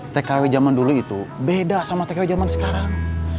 tkw jaman dulu itu beda sama tkw jaman sekarang